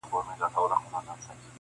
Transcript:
چي مي خولې ته د قاتل وم رسېدلی -